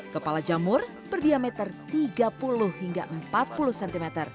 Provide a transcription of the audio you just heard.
kepala jamur berdiameter tiga puluh hingga empat puluh cm